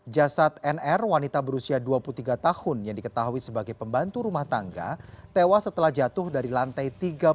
jasad nr wanita berusia dua puluh tiga tahun yang diketahui sebagai pembantu rumah tangga tewas setelah jatuh dari lantai tiga